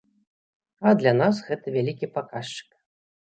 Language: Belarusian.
А для нас гэта вялікі паказчык.